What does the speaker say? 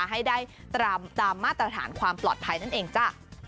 ให้ได้ตามมาตรฐานความปลอดภัยนั่นเองจ้ะ